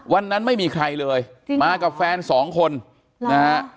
ไม่มีใครเลยมากับแฟนสองคนนะฮะ